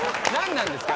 なんですか？